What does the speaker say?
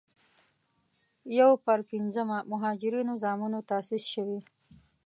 یو پر پينځمه مهاجرینو زامنو تاسیس شوې.